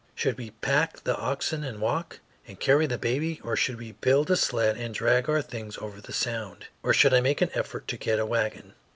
Should we pack the oxen and walk, and carry the baby, or should we build a sled and drag our things over to the Sound, or should I make an effort to get a wagon?